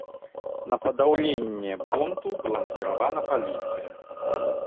На падаўленне бунту была накіравана паліцыя.